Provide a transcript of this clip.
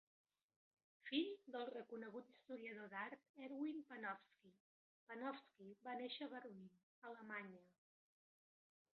Fill del reconegut historiador d'art Erwin Panofsky, Panofsky va néixer a Berlín, Alemanya.